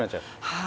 はい。